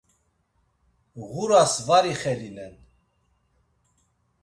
Ğuras var ixelinen.